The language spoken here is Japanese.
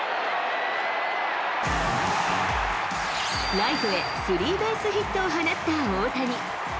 ライトへスリーベースヒットを放った大谷。